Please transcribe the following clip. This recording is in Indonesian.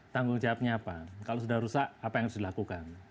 tanggung jawabnya apa kalau sudah rusak apa yang harus dilakukan